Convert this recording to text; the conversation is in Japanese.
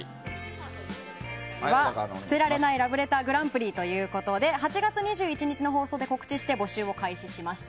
捨てられないラブレターＧＰということで８月２１日の放送で告知して募集を開始しました。